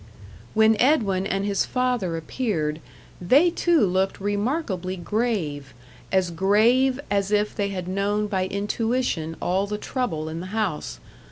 When Edwin and his father appeared, they too looked remarkably grave as grave as if they had known by intuition all the trouble in the house.